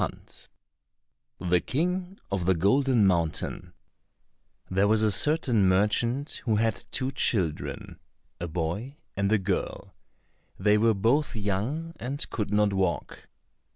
92 The King of the Golden Mountain There was a certain merchant who had two children, a boy and a girl; they were both young, and could not walk.